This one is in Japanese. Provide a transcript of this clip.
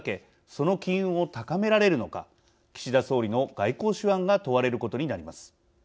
その機運を高められるのか岸田総理の外交手腕が問われることになります。